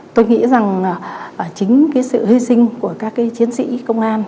tôi nghĩ rằng chính sự hy sinh của các chiến sĩ công an